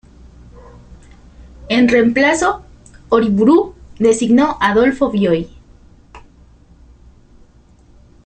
En reemplazo, Uriburu designó a Adolfo Bioy.